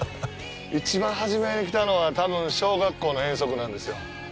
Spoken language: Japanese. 一番初めに来たのは、多分、小学校の遠足なんですよ。